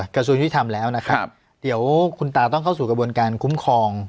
กระทรวงยุติธรรมแล้วนะครับเดี๋ยวคุณตาต้องเข้าสู่กระบวนการคุ้มครอง